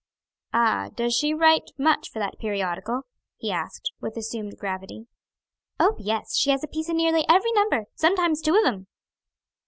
"Ah! does she write much for that periodical?" he asked, with assumed gravity. "Oh, yes, she has a piece in nearly every number; sometimes two of 'em."